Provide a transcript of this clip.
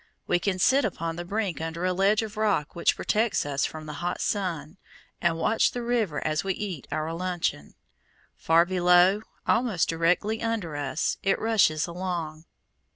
We can sit upon the brink under a ledge of rock which protects us from the hot sun, and watch the river as we eat our luncheon. Far below, almost directly under us, it rushes along.